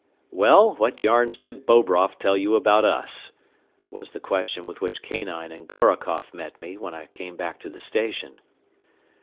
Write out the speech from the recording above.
"Well, what yarns did Bobroff tell you about us?" was the question with which Kanine and Gorokoff met me when I came back to the station.